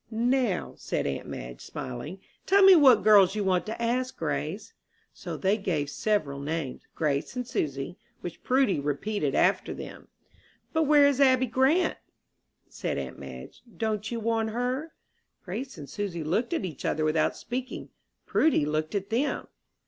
"Now," said aunt Madge, smiling, "tell me what girls you want to ask, Grace." So they gave several names Grace and Susy which Prudy repeated after them. "But where is Abby Grant?" said aunt Madge. "Don't you want her?" Grace and Susy looked at each other without speaking. Prudy looked at them.